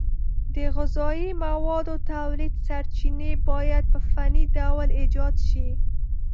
د غذایي موادو تولید سرچینې باید په فني ډول ایجاد شي.